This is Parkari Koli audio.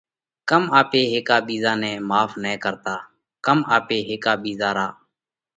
ڪم آپي هيڪا ٻِيزا نئہ ماڦ نه ڪرتا؟ ڪم آپي هيڪا ٻِيزا را